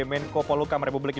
yang dianggap sebagai